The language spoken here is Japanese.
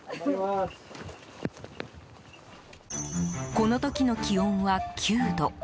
この時の気温は９度。